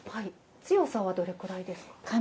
強さはどれくらいですか？